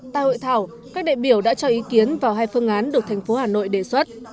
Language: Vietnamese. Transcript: tại hội thảo các đại biểu đã cho ý kiến vào hai phương án được thành phố hà nội đề xuất